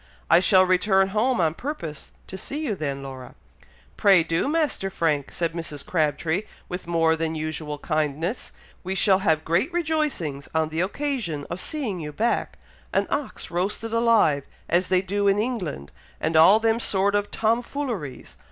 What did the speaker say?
I shall return home on purpose to see you then, Laura." "Pray do, Master Frank," said Mrs. Crabtree, with more than usual kindness; "we shall have great rejoicings on the occasion of seeing you back an ox roasted alive, as they do in England, and all them sort of Tom fooleries.